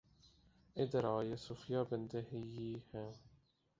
ادھر آؤ، یہ صفیہ بنت حیی ہیں